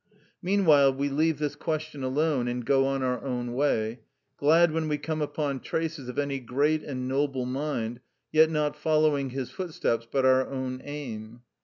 Meanwhile we leave this question alone and go on our own way, glad when we come upon traces of any great and noble mind, yet not following his footsteps but our own aim.